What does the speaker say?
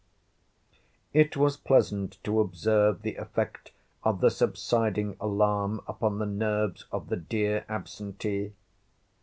D. It was pleasant to observe the effect of the subsiding alarm upon the nerves of the dear absentee.